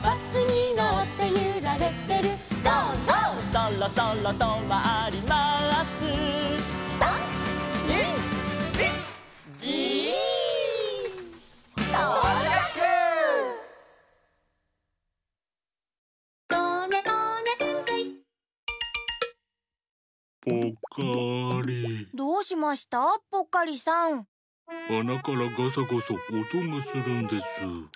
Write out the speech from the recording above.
あなからガサゴソおとがするんです。